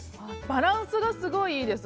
バランスがすごくいいです。